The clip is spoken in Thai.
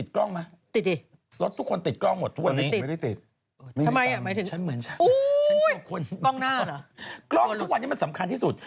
กล้องทุกวันนี้มันสำคัญที่สุด